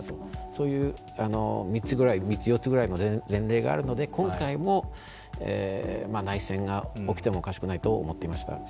そういう３つ、４つくらいの前例があるので、今回も内戦が起きてもおかしくないと思っていました。